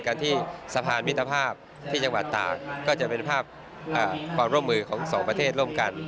กันที่สะพานมิตรภาพที่จังหวัดตากก็จะเป็นภาพความร่วมมือของสองประเทศร่วมกัน